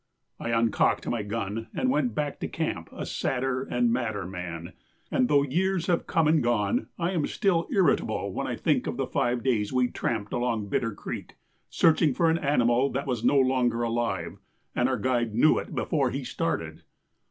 I uncocked my gun and went back to camp a sadder and madder man, and, though years have come and gone, I am still irritable when I think of the five days we tramped along Bitter creek searching for an animal that was no longer alive, and our guide knew it before he started.